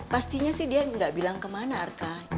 pastinya sih dia nggak bilang kemana arka